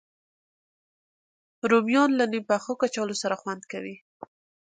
رومیان له نیم پخو کچالو سره خوند کوي